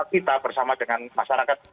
kita bersama dengan masyarakat